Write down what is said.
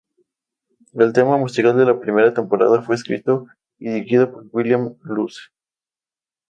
El tema musical de la primera temporada fue escrito y dirigido por William Loose.